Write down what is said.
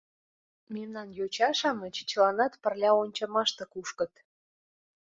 Мемнан йоча-шамыч чыланат пырля ончымаште кушкыт.